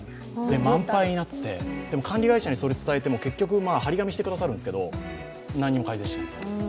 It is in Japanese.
満杯になっていてでも管理会社にそれを伝えても結局貼り紙してくださるんですけど、何にも改善しない。